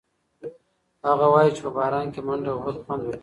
هغه وایي چې په باران کې منډه وهل خوند ورکوي.